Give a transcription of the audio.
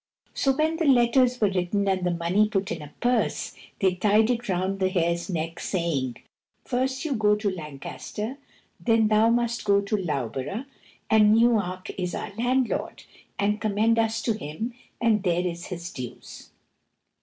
So when the letters were written and the money put in a purse, they tied it round the hare's neck, saying, "First you go to Lancaster, then thou must go to Loughborough, and Newarke is our landlord, and commend us to him and there is his dues."